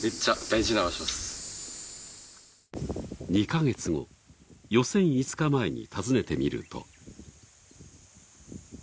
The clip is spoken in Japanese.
２カ月後予選５日前に訪ねてみると。